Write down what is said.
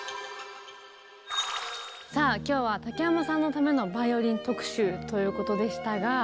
さあ今日は竹山さんのためのバイオリン特集ということでしたが。